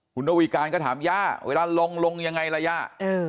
คุณนวีการก็ถามย่าเวลาลงลงยังไงล่ะย่า